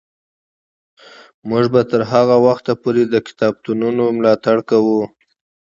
موږ به تر هغه وخته پورې د کتابتونونو ملاتړ کوو.